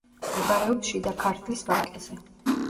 მდებარეობს შიდა ქართლის ვაკეზე.